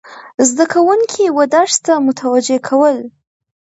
زده کوونکي و درس ته متوجه کول،